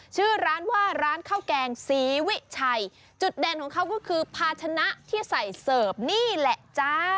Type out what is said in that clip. ชื่อร้านว่าร้านข้าวแกงศรีวิชัยจุดเด่นของเขาก็คือภาชนะที่ใส่เสิร์ฟนี่แหละจ้า